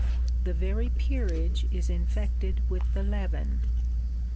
The very Peerage is infected with the leaven.